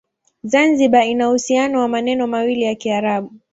Zanzibar ina uhusiano na maneno mawili ya Kiarabu.